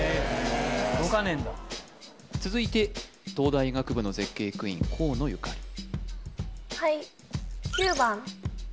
届かねえんだ続いて東大医学部の絶景クイーン河野ゆかり